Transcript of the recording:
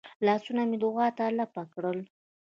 لاسونه مې دعا ته لپه کړل.